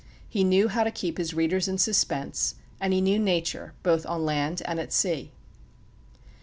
He knew how to keep his readers in suspense, and he knew nature, both on land and at sea.